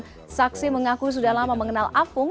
pemeriksaan saksi mengaku sudah lama mengenal afung